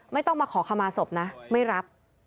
ไม่ต้องมาขอขมาศพนะไม่รับ